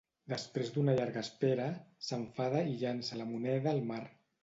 Després d'una llarga espera, s'enfada i llança la moneda al mar.